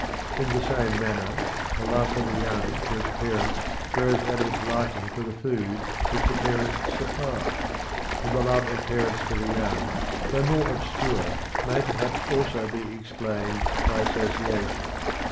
In the same manner the love of the young for its parents grows out of its liking for the food which the parents supply; and the love of parents for the young, though more obscure, may perhaps also be explained by association.